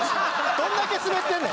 どんだけスベってんねん！